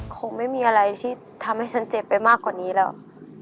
คงไม่มีอะไรที่ทำให้ฉันเจ็บไปมากกว่านี้แล้ว